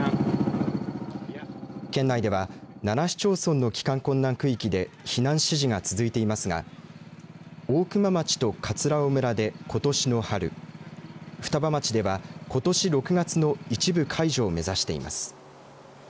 県内では７市町村の帰還困難区域で避難指示が続いていますが大熊町と葛尾村で、ことしの春双葉町では、ことし６月の一部解除を目指しています。